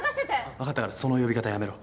分かったからその呼び方やめろ。